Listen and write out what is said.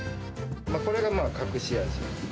これが隠し味。